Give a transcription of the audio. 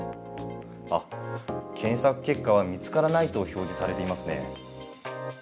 検索結果は見つからないと表示されていますね。